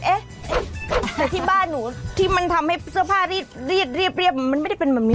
เอ๊ะแต่ที่บ้านหนูที่มันทำให้เสื้อผ้ารีดเรียบมันไม่ได้เป็นแบบนี้